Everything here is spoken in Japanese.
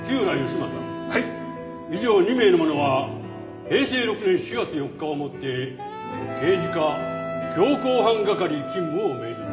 以上２名の者は平成６年４月４日をもって刑事課強行犯係勤務を命ずる。